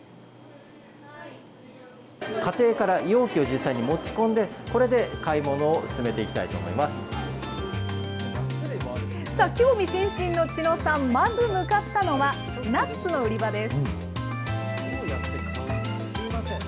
家庭から容器を実際持ち込んで、これで買い物を進めていきた興味津々の千野さん、まず向かったのは、ナッツの売り場です。